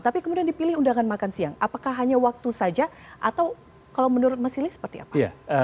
tapi kemudian dipilih undangan makan siang apakah hanya waktu saja atau kalau menurut mas silih seperti apa